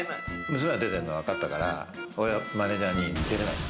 娘が出てるのわかってたから、マネジャーに出れないの？